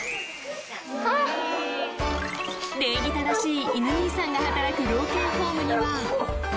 礼儀正しい犬兄さんが働く老犬ホームには。